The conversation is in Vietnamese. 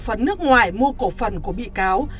cổ phần nước ngoài mua cổ phần của bị cáo